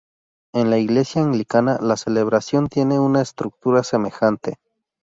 En la Iglesia Anglicana la celebración tiene una estructura semejante.